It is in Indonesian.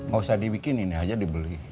nggak usah dibikin ini aja dibeli